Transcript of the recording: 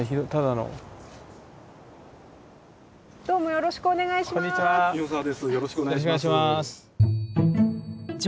よろしくお願いします。